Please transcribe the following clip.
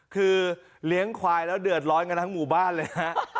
คือเลี้ยงควายแล้วเดือดร้อนกันทั้งหมู่บ้านเลยฮะ